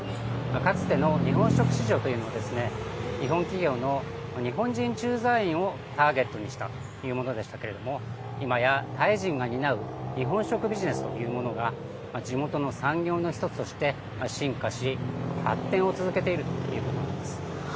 かつての日本食市場というのは、日本企業の日本人駐在員をターゲットにしたというものでしたけれども、今やタイ人が担う日本食ビジネスというものが、地元の産業の一つとして進化し、発展を続けているということなんです。